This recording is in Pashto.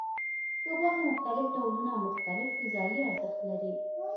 د غوښې مختلف ډولونه مختلف غذایي ارزښت لري.